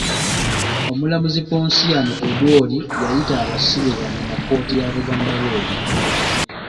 Omulamuzi Ponsiano Odwori yayita abasibe bano mu kkooti ya Buganda road.